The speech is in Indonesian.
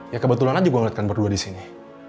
ya kebetulan aja gue ngeliatkan berdua disini